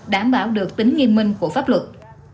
đảm bảo được tính nghiêm minh của pháp luật